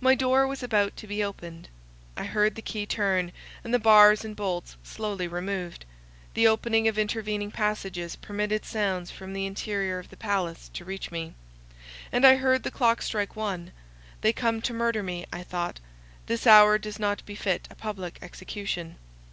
My door was about to be opened. I heard the key turn, and the bars and bolts slowly removed. The opening of intervening passages permitted sounds from the interior of the palace to reach me; and I heard the clock strike one. They come to murder me, I thought; this hour does not befit a public execution.